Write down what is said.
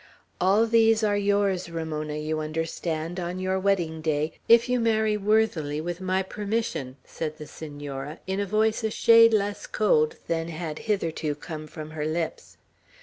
"All these are yours, Ramona, you understand, on your wedding day, if you marry worthily, with my permission," said the Senora, in a voice a shade less cold than had hitherto come from her lips.